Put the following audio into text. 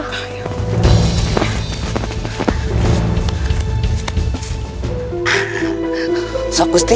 aku akan sama semuanya hidup di situ